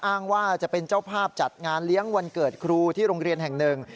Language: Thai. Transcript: อ้างว่าจะเป็นเจ้าภาพจัดงานเลี้ยงวันเกิดครูที่โรงเรียนแห่งหนึ่ง